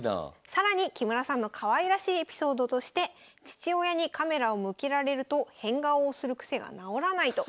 更に木村さんのかわいらしいエピソードとして父親にカメラを向けられると変顔をする癖が直らないと。